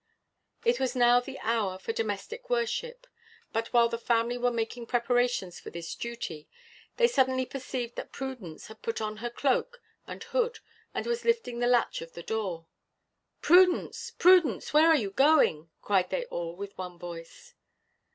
It was now the hour for domestic worship. But while the family were making preparations for this duty, they suddenly perceived that Prudence had put on her cloak and hood, and was lifting the latch of the door. "Prudence, Prudence! where are you going?" cried they all with one voice.